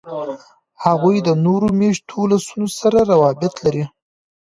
هغوی د نورو میشتو ولسونو سره روابط لري.